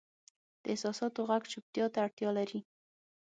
د احساساتو ږغ چوپتیا ته اړتیا لري.